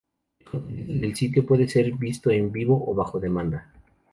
El contenido del sitio puede ser visto en vivo o bajo demanda.